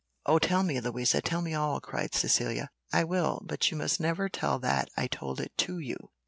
"O tell me, Louisa; tell me all," cried Cecilia. "I will, but you must never tell that I told it to you."